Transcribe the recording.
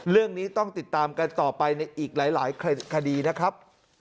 เรื่องนี้ต้องติดตามกันต่อไปในอีกหลายคดีนะครับ